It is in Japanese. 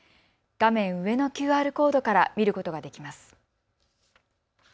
画面上のＱＲコードから見ることができます。